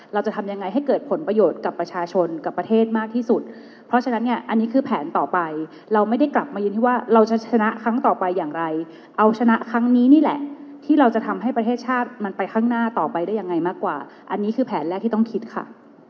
เราจะทำยังไงให้เกิดผลประโยชน์กับประชาชนกับประเทศมากที่สุดเพราะฉะนั้นเนี่ยอันนี้คือแผนต่อไปเราไม่ได้กลับมายืนที่ว่าเราจะชนะครั้งต่อไปอย่างไรเอาชนะครั้งนี้นี่แหละที่เราจะทำให้ประเทศชาติมันไปข้างหน้าต่อไปได้ยังไงมากกว่าอันนี้คือแผนแรกที่ต้องคิดค่ะ